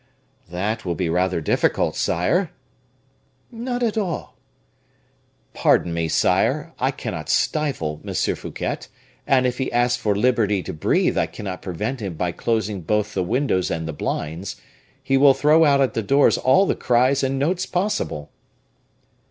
"That will be rather difficult, sire." "Not at all." "Pardon me, sire, I cannot stifle M. Fouquet, and if he asks for liberty to breathe, I cannot prevent him by closing both the windows and the blinds. He will throw out at the doors all the cries and notes possible."